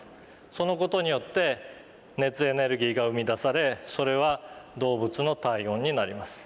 その事によって熱エネルギーが生み出されそれは動物の体温になります。